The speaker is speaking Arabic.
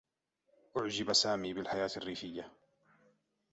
أُعجب سامي بالحياة الرّيفيّة.